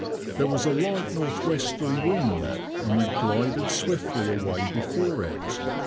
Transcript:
There was a light north westerly wind, and we glided swiftly away before it.